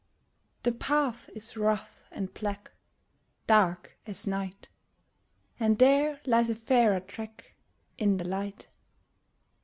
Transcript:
The path is rough and black Dark as night And there lies a fairer track In the light.